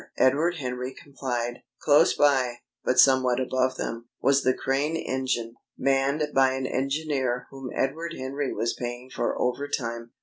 Edward Henry complied. Close by, but somewhat above them, was the crane engine, manned by an engineer whom Edward Henry was paying for overtime.